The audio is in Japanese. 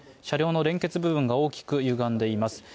車両の連結部分が大きく歪んでいます。